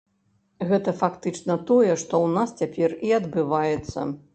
Гэта фактычна тое, што ў нас цяпер і адбываецца.